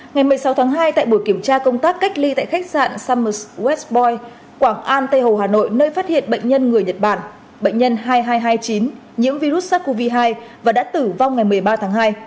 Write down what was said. ngày một mươi sáu tháng hai tại buổi kiểm tra công tác cách ly tại khách sạn somers west boe quảng an tây hồ hà nội nơi phát hiện bệnh nhân người nhật bản bệnh nhân hai nghìn hai trăm hai mươi chín nhiễm virus sars cov hai và đã tử vong ngày một mươi ba tháng hai